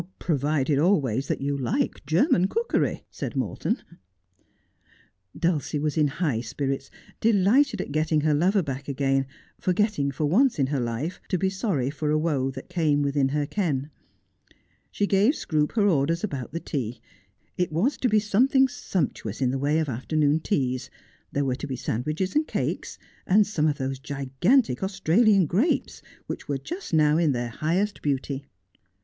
' Provided always that you like German cookery,' said Morton. Dulcie was in high spirits, delighted at getting her lover back again, forgetting for once in her life to be sorry for a woe that came within her ken. She gave Scroope her orders about the tea. It was to be something sumptuous in the way of afternoon teas. There were to be sandwiches and cake, and some of those gigantic Australian grapes which were just now in their highest beauty.